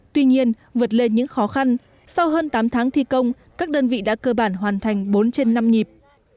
tuy nhiên vượt lên những khó khăn sau hơn tám tháng thi công các đơn vị đã cơ bản hoàn thành bốn trên năm nhịp